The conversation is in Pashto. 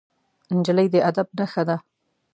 نجلۍ د ادب نښه ده.